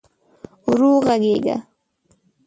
ورو ږغېږه !